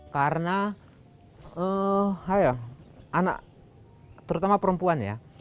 karena anak terutama perempuan ya